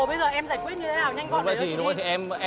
bây giờ em giải quyết như thế nào nhanh gọn để cho chị đi